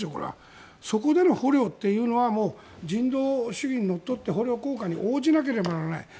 そこでの捕虜というのは人道主義にのっとって捕虜交換に応じなければならない。